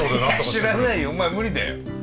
知らないよお前無理だよ！